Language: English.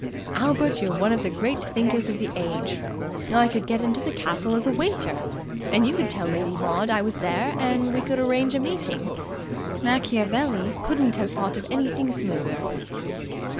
"Albert, you're one of the great thinkers of the age. I could get into the castle as a waiter, and you could tell Lady Maud I was there, and we could arrange a meeting. Machiavelli couldn't have thought of anything smoother."